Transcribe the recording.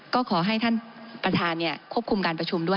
ก็ขอให้ท่านประธานควบคุมการประชุมด้วย